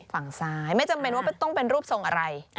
ฝั่งซ้ายไม่จำเป็นว่าต้องเป็นรูปทรงอะไร